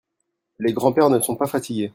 Les grands-pères ne sont pas fatigués.